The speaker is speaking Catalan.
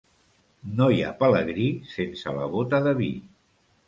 No hi ha pelegrí sense la bota de vi.